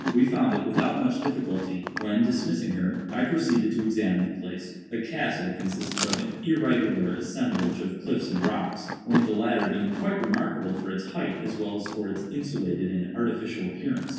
We found it without much difficulty, when, dismissing her, I proceeded to examine the place. The 'castle' consisted of an irregular assemblage of cliffs and rocks—one of the latter being quite remarkable for its height as well as for its insulated and artificial appearance.